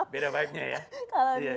beda vibenya ya